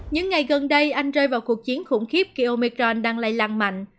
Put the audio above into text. những ngày gần đây anh rơi vào cuộc chiến khủng khiếp khi omicron đang lây lan mạnh